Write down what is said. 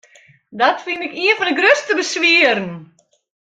Dat fyn ik ien fan de grutste beswieren.